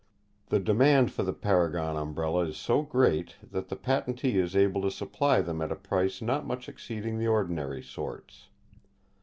"The demand for the Paragon Umbrella is so great, that the patentee is able to supply them at a price not much exceeding the ordinary sorts.